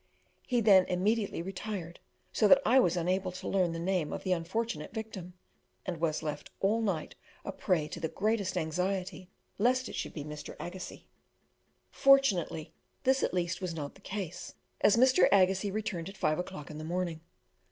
He then immediately retired, so that I was unable to learn the name of the unfortunate victim, and was left all night a prey to the greatest anxiety lest it should be Mr. Agassiz. Fortunately, this at least was not the case, as Mr. Agassiz returned at 5 o'clock in the morning.